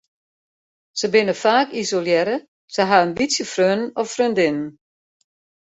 Se binne faak isolearre, se ha in bytsje freonen of freondinnen.